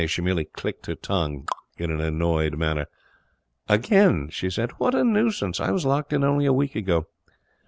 She merely clicked her tongue in an annoyed manner. 'Again!' she said. 'What a nuisance! I was locked in only a week ago.'